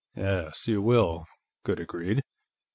"Yes. You will," Goode agreed.